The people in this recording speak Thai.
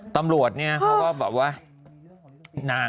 ตำรวจเขาก็บอกว่า